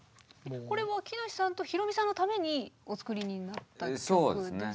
これは木梨さんとヒロミさんのためにお作りになった曲ですよね。